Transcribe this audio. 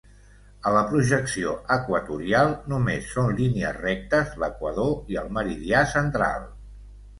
A la projecció equatorial només són línies rectes l'equador i el meridià central.